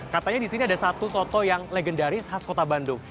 katanya di sini ada satu soto yang legendaris khas kota bandung